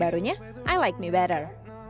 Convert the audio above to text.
barunya i like me better